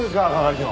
係長。